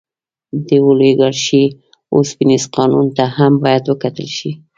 د اولیګارشۍ اوسپنیز قانون ته هم باید وکتل شي.